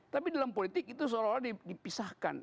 tapi dalam politik itu seolah olah dipisahkan